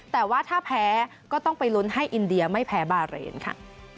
แต่ว่าถ้าแพ้ก็ต้องไปลุ้นให้อินเดียไม่แพ้บาเรนค่ะ